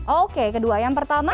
oke kedua yang pertama